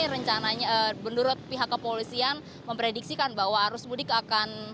rencananya menurut pihak kepolisian memprediksikan bahwa arus mudik akan